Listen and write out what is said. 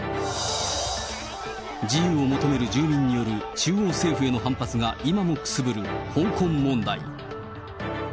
自由を求める住民による中央政府への反発が今もくすぶる香港問題。